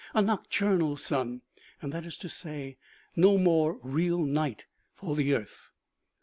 A nocturnal sun ! That is to say, no more real night for the earth.